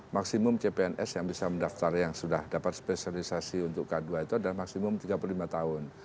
maksimum cpns yang bisa mendaftar yang sudah dapat spesialisasi untuk k dua itu adalah maksimum tiga puluh lima tahun